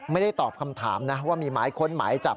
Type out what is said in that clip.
ไม่ได้ตอบคำถามนะว่ามีหมายค้นหมายจับ